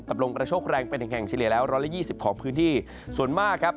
กระโชคแรงเป็นแห่งเฉลี่ยแล้ว๑๒๐ของพื้นที่ส่วนมากครับ